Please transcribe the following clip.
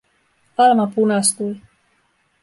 Alma punastui.